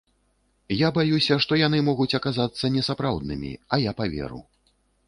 Я баюся, што яны могуць аказацца несапраўднымі, а я паверу.